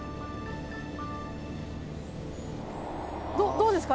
どうですか？